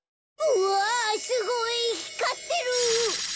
うわすごいひかってる！